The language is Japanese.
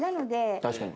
確かに。